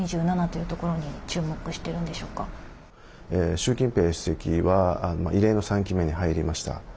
習近平主席は異例の３期目に入りました。